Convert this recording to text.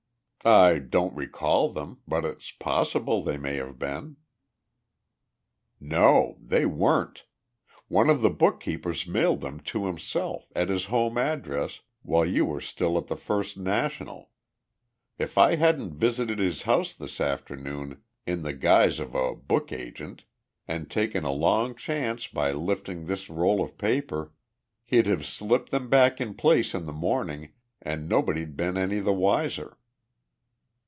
"I don't recall them, but it's possible they may have been." "No they weren't. One of the bookkeepers mailed them to himself, at his home address, while you were still at the First National. If I hadn't visited his house this afternoon, in the guise of a book agent, and taken a long chance by lifting this roll of paper, he'd have slipped them back in place in the morning and nobody'd been any the wiser."